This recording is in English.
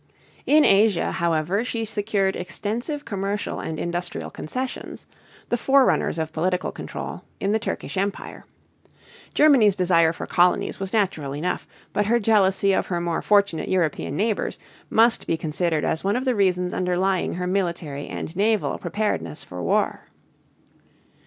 In Asia, however, she secured extensive commercial and industrial concessions the forerunners of political control in the Turkish Empire. Germany's desire for colonies was natural enough, but her jealousy of her more fortunate European neighbors must be considered as one of the reasons underlying her military and naval preparedness for war.